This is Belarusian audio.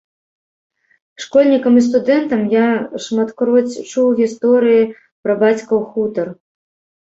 Школьнікам і студэнтам я шматкроць чуў гісторыі пра бацькаў хутар.